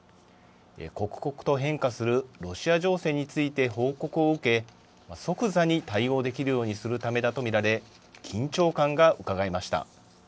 刻々と変化するロシア情勢について報告を受け、即座に対応できるようにするためだと見られ、緊張感がうかがえました。